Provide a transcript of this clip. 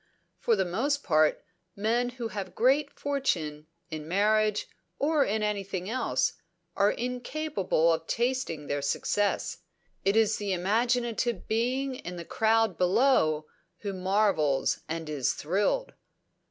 For the most part, men who have great good fortune, in marriage, or in anything else, are incapable of tasting their success. It is the imaginative being in the crowd below who marvels and is thrilled.